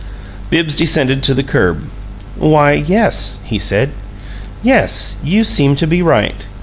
Bibbs descended to the curb. "Why, yes," he said. "Yes, you seem to be right."